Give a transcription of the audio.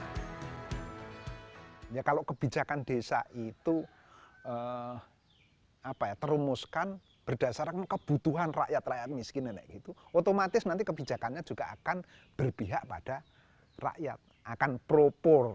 nah kalau kebijakan desa itu terumuskan berdasarkan kebutuhan rakyat rakyat miskin nenek gitu otomatis nanti kebijakannya juga akan berpihak pada rakyat akan propor